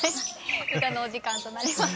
歌のお時間となります。